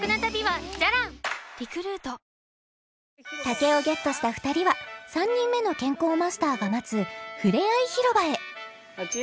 ［竹をゲットした２人は３人目の健康マスターが待つふれあい広場へ］